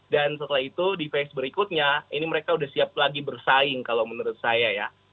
dan setelah itu di phase berikutnya ini mereka sudah siap lagi bersaing kalau menurut saya ya